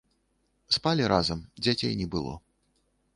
Спалі разам, дзяцей не было.